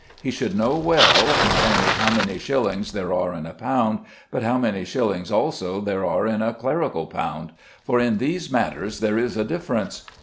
He should know well, not only how many shillings there are in a pound, but how many shillings also there are in a clerical pound, for in these matters there is a difference.